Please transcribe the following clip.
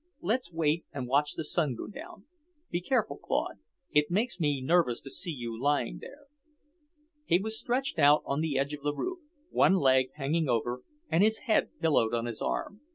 "Let's wait and watch the sun go down. Be careful, Claude. It makes me nervous to see you lying there." He was stretched out on the edge of the roof, one leg hanging over, and his head pillowed on his arm.